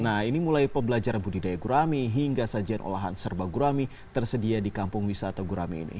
nah ini mulai pembelajaran budidaya gurami hingga sajian olahan serba gurami tersedia di kampung wisata gurame ini